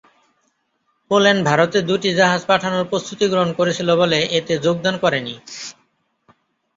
Poland ভারতে দুটি জাহাজ পাঠানোর প্রস্ত্ততি গ্রহণ করছিল বলে এতে যোগদান করে নি।